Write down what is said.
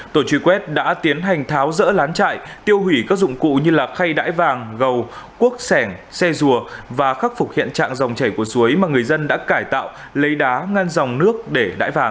tổ truy quét đã tiến hành tháo rỡ lán chạy tiêu hủy các dụng cụ như là khay đãi vàng gầu cuốc sẻng xe rùa và khắc phục hiện trạng dòng chảy của suối mà người dân đã cải tạo lấy đá ngăn dòng nước để đải vàng